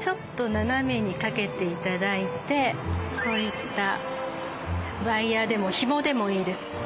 ちょっと斜めにかけて頂いてこういったワイヤーでもヒモでもいいです。